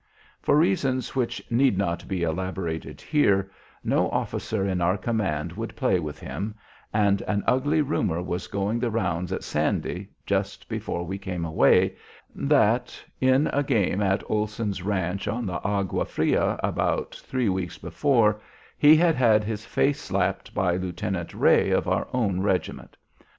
For reasons which need not be elaborated here no officer in our command would play with him, and an ugly rumor was going the rounds at Sandy, just before we came away, that, in a game at Olsen's ranch on the Aqua Fria about three weeks before, he had had his face slapped by Lieutenant Ray of our own regiment.